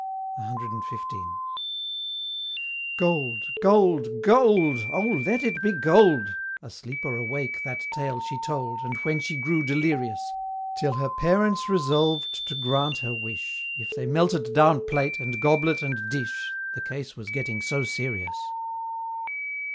CXV. "Gold gold gold! Oh, let it be gold!" Asleep or awake that tale she told, And when she grew delirious: Till her parents resolved to grant her wish, If they melted down plate, and goblet, and dish, The case was getting so serious.